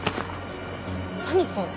何それ？